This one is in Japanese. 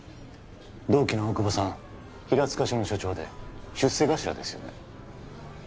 同期の大久保さん平塚署の署長で出世頭ですよね